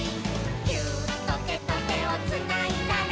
「ギューッとてとてをつないだら」